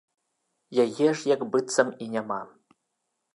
Яе ж як быццам і няма!